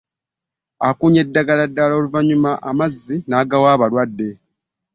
Akunya eddagala ne livaamu amazzi gaawa abalwadde.